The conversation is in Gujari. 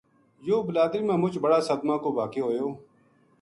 یوہ بلادری ما مُچ بڑا صدما کو واقعو ہویو